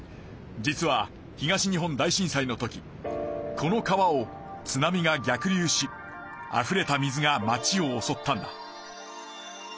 実は東日本大震災の時この川を津波が逆流しあふれた水が町をおそったんだ。